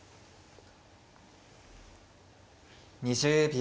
２０秒。